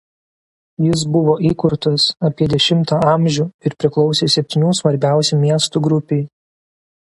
Jis buvo įkurtas apie X a. ir priklausė septynių svarbiausių miestų grupei.